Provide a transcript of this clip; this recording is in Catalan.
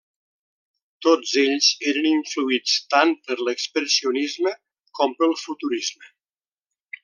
Tots ells eren influïts tant per l'expressionisme com pel futurisme.